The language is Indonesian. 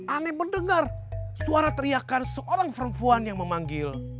aneh mendengar suara teriakan seorang perempuan yang memanggil